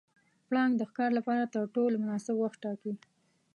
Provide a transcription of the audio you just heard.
پړانګ د ښکار لپاره تر ټولو مناسب وخت ټاکي.